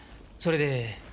それで。